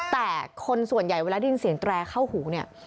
แต่คนส่วนใหญ่เวลาได้ยินเสียงแตรเข้าหูเนี่ย